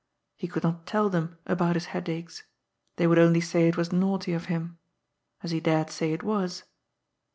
He could not tell them about his headaches. They would only say it was naughty of him. As he dared say it was.